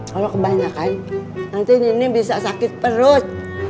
kalau kebanyakan nanti nenek bisa sakit perut